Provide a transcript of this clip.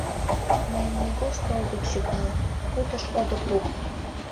Мыйым нигушто огыт шӱкал, утыш огыт лук!